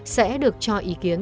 sẽ được cho ý kiến